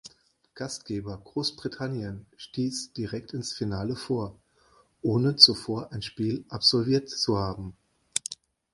Gastgeber Großbritannien stieß direkt ins Finale vor, ohne zuvor ein Spiel absolviert zu haben.